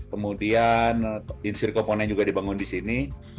kemudian industri komponen juga dibangun di sini